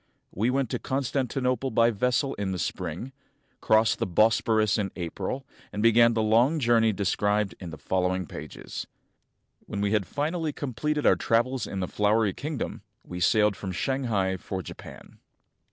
We went to Constantinople x Across Asia on a Bicycle by vessel in the spring, crossed the Bosporus in April, and began the long journey described in the following pages. When we had finally completed our travels in the Flowery Kingdom, we sailed from Shanghai for Japan.